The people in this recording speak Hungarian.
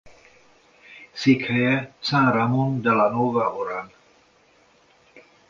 Székhelye San Ramón de la Nueva Orán.